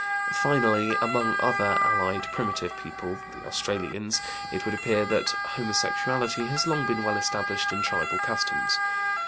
Finally, among another allied primitive people, the Australians, it would appear that homosexuality has long been well established in tribal customs.